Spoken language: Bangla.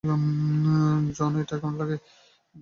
জন, এটা কেমন লাগে?